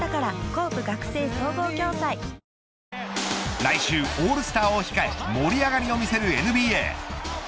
来週オールスターを控え盛り上がりを見せるＮＢＡ。